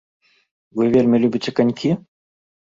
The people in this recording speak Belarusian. Вы вельмі любіце канькі?